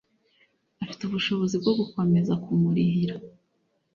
Afite ubushobozi bwo gukomeza kumurihira